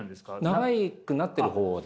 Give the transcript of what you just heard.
長くなってる方ですね。